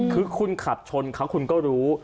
คือคุณขับชนเขาคุณก็รู้